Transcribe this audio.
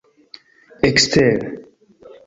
ekster